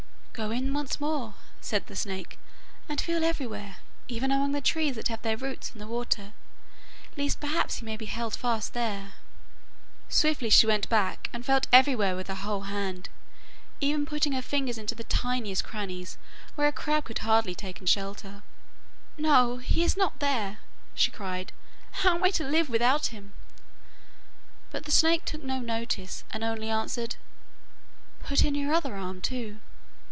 'Go in once more,' said the snake, 'and feel everywhere, even among the trees that have their roots in the water, lest perhaps he may be held fast there.' Swiftly she went back and felt everywhere with her whole hand, even putting her fingers into the tiniest crannies, where a crab could hardly have taken shelter. 'No, he is not here,' she cried. 'How am I to live without him?' But the snake took no notice, and only answered, 'Put in your other arm too.